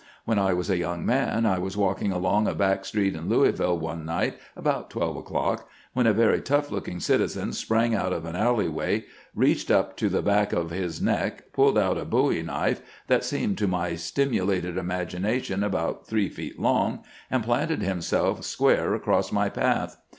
When I was a young man, I was walking along a back street in Louisville one night about twelve o'clock, when a very tough looking citizen sprang out of an alleyway, reached up to the back of his neck, pulled out a bowie knife that seemed to my stimulated imagination about three feet long, and planted himself square across my path.